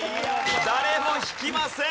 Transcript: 誰も引きません！